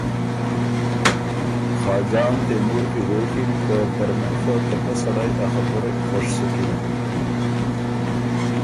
خاجان تېمور کی غوېکِن که ترمُن خه ته پۀ سړئ ا خبُرئ خوش سُکِن۔